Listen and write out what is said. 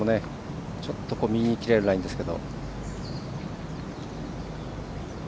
ちょっと右に切れるラインですが。